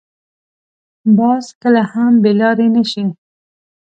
باز کله هم بې لارې نه شي